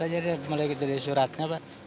ada gendala katanya mulai dari suratnya pak